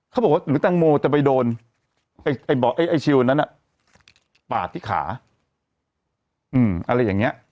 เขาบอกว่าหรือแตงโมจะไปโดนไอ้ชิวนั้นน่ะปากที่ขา